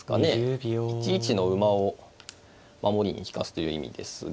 １一の馬を守りに利かすという意味ですが。